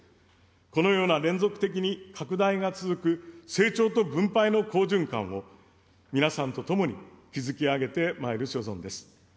このような連続的に拡大が続く成長と分配の好循環を、皆さんと共に築き上げてまいる所存です。